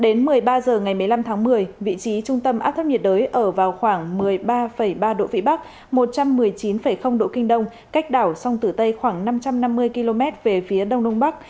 đến một mươi ba giờ ngày một mươi sáu tháng một mươi vị trí tâm bão ở vào khoảng một mươi bốn năm độ vị bắc một trăm một mươi năm độ kinh đông cách đảo song tử tây khoảng ba trăm ba mươi km về phía bắc